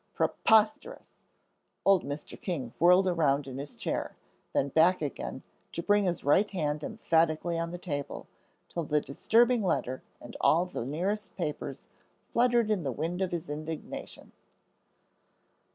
Preposterous!" Old Mr. King whirled around in his chair, then back again, to bring his right hand emphatically on the table, till the disturbing letter and all the nearest papers fluttered in the wind of his indignation.